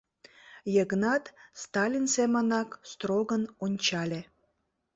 — Йыгнат Сталин семынак строгын ончале.